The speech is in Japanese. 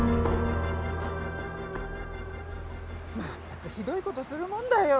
まったくひどい事するもんだよ。